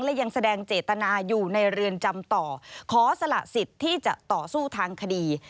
และยังแสดงเจตนาอยู่ในเรือนจำต่อขอสละสิทธิ์ที่จะต่อสู้ทางคดี